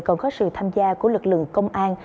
còn có sự tham gia của lực lượng công an